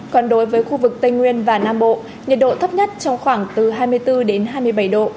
còn đối với khu vực tây nguyên và nam bộ nhiệt độ thấp nhất trong khoảng từ hai mươi bốn đến hai mươi bảy độ